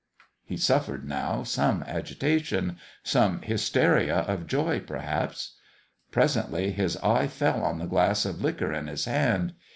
He suffered, now, some agitation some hysteria of joy, perhaps. Presently his eye fell on the glass of liquor in his hand.